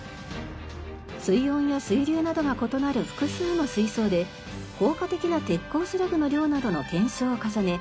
水温や水流などが異なる複数の水槽で効果的な鉄鋼スラグの量などの検証を重ね